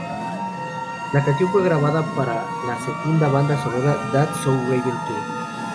La canción fue grabada para la segunda banda sonora "That's So Raven Too!